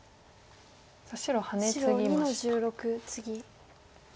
さあ白ハネツギました。